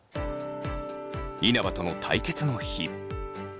稲葉との対決の日。